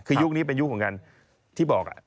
คือยุคนี้เป็นยุคเหมือนกันที่บอก